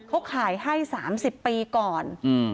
เขาขายให้๓๐ปีก่อน